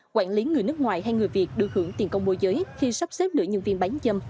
hay người việt được hưởng tiền công mô giới khi sắp xếp nửa nhân viên bán dâm